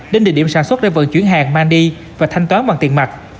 đến địa điểm sản xuất để vận chuyển hàng mang đi và thanh toán bằng tiền mặt